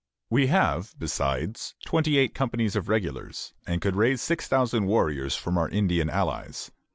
We have, besides, twenty eight companies of regulars, and could raise six thousand warriors from our Indian allies.